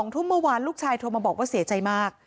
ทุ่มเมื่อวานลูกชายโทรมาบอกว่าเสียใจมาก